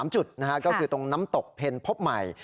๓จุดก็คือตรงน้ำตกเพ็ญพบใหม่